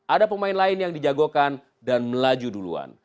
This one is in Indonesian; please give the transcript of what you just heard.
ada pemain lain yang dijagokan dan melaju duluan